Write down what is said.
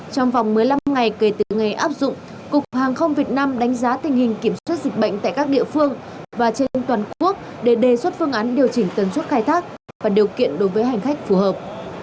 trong vòng một mươi năm ngày kể từ ngày áp dụng cục hàng không việt nam đánh giá tình hình kiểm soát dịch bệnh tại các địa phương và trên toàn quốc để đề xuất phương án điều chỉnh tần suất khai thác và điều kiện đối với hành khách phù hợp